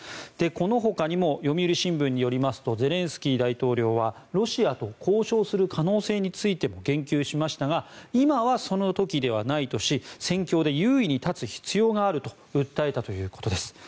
このほかにも読売新聞によりますとゼレンスキー大統領はロシアと交渉する可能性についても言及しましたが今はその時ではないとし戦況で優位に立つ必要があると訴えたということです。